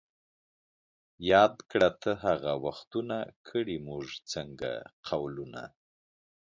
یاد کړه ته هغه وختونه ـ کړي موږ څنګه قولونه